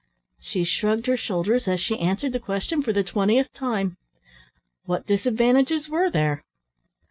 She shrugged her shoulders as she answered the question for the twentieth time. What disadvantages were there?